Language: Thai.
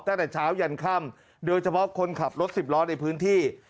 ตั้งแต่เช้ายันค่ำโดยเฉพาะคนขับรถสิบล้อในพื้นที่